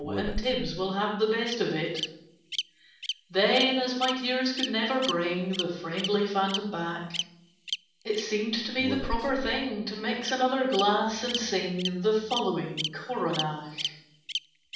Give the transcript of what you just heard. [Picture: And Tibbs will have the best of it] Then, as my tears could never bring The friendly Phantom back, It seemed to me the proper thing To mix another glass, and sing The following Coronach.